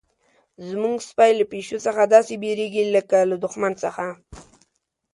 زموږ سپی له پیشو څخه داسې بیریږي لکه له دښمن څخه.